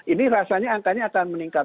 ini rasanya angkanya akan meningkat